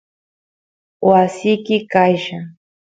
wasiki qaylla